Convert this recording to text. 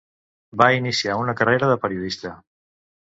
Va iniciar una carrera de periodista.